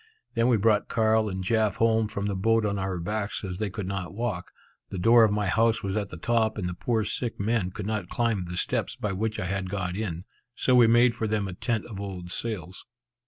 Then we brought Carl and Jaf home from the boat on our backs, as they could not walk. The door of my house was at the top, and the poor sick men could not climb the steps by which I got in, so we made for them a tent of old sails.